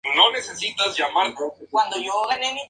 Luego de ser transferida a "SmackDown!